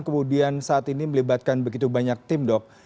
kemudian saat ini melibatkan begitu banyak tim dok